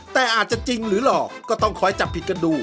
แต่อาจจะจริงหรือหลอกก็ต้องคอยจับผิดกันดู